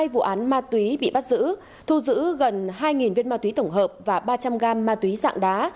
hai vụ án ma túy bị bắt giữ thu giữ gần hai viên ma túy tổng hợp và ba trăm linh gam ma túy dạng đá